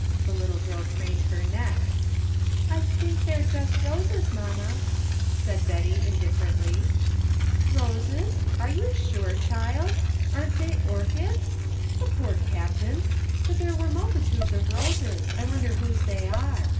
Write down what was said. " The little girl craned her neck. " I think they're just roses, mamma," 'said Betty indifferently. 213 THE FINDING OF JASPER HOLT "Roses? Are you sure, child? Aren't they or chids ? The poor Captain ! But there were multitudes of roses. I wonder whose they are."